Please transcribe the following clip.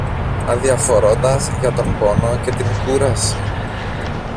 αδιαφορώντας για τον πόνο και την κούραση.